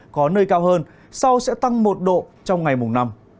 có nơi cao hơn sau sẽ tăng một độ trong ngày mùng năm